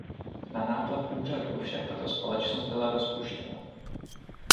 Na nátlak úřadů však tato společnost byla rozpuštěna.